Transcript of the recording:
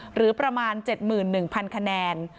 หรือประมาณ๗หมื่น๑๐๐๐คะแนน